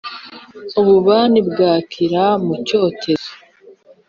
ububani bwakira mu cyotezo,